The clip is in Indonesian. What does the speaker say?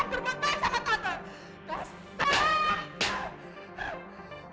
tapi kamu gak pernah berbuat baik sama tante